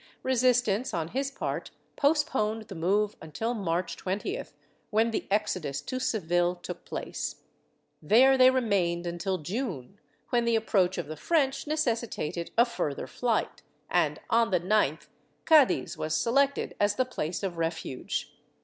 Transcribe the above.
Resistance on his part postponed the move until March 20th, when the exodus to Seville took place There they remained until June, when the approach of the French necessi tated a further flight and, on the 9th, Cddiz was selected as the place of refuge.